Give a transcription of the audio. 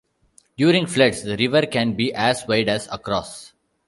During floods the river can be as wide as across.